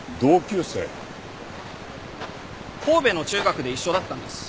神戸の中学で一緒だったんです。